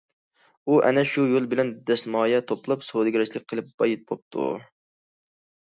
ئۇ ئەنە شۇ يول بىلەن دەسمايە توپلاپ، سودىگەرچىلىك قىلىپ باي بوپتۇ.